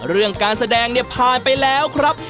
เรื่องการแสดงเนี่ยผ่านไปแล้วครับ